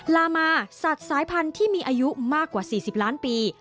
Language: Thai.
ลามาสัตว์สายพันธุ์ที่มีอายุมากกว่า๔๐ล้านปี